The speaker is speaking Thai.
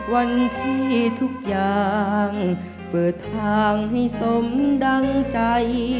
วันที่ทุกอย่างเปิดทางให้สมดังใจ